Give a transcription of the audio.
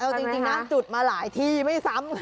เอาจริงนะจุดมาหลายที่ไม่ซ้ำ